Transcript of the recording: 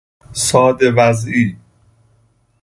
ساده وضعی